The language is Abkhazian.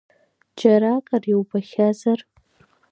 Џьаракыр иубахьазар?